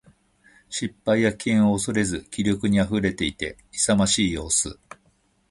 失敗や危険を恐れず気力に溢れていて、勇ましい様子。